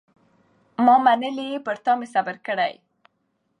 ما منلی یې پر تا مي صبر کړی